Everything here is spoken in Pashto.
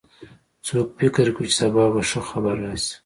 څوک فکر کوي چې سبا به ښه خبر راشي